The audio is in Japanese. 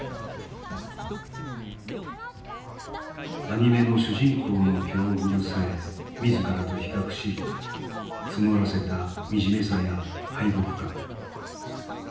アニメの主人公の境遇さえ自らと比較し募らせた惨めさや敗北感。